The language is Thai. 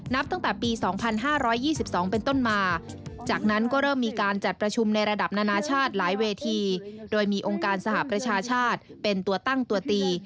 นับตั้งแต่ปี๒๕๒๒เป็นต้นมาจากนั้นก็เริ่มมีการจัดประชุมในระดับนานาชาติหลายเวทีโดยมีองค์การสหประชาชาติเป็นตัวตั้งตัวตี